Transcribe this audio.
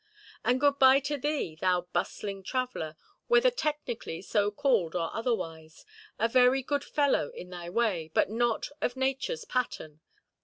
And good–bye to thee, thou bustling "traveller"—whether technically so called or otherwise,—a very good fellow in thy way, but not of natureʼs pattern.